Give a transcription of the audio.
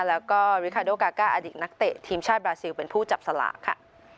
แล้วก็ริคาโดกาก้าอดีตนักเตะทีมชาติบราซิลเป็นผู้จับสลากค่ะ